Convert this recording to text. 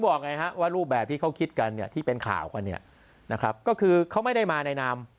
โบ๊มหรือเป็นวิ่งตูขึ้นมาอีกอันนี้ยุ่ง